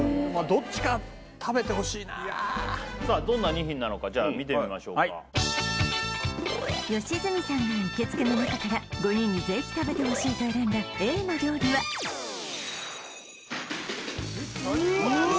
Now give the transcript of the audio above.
どんな２品なのかじゃあ見てみましょうか良純さんが行きつけの中から５人にぜひ食べてほしいと選んだＡの料理はうわ！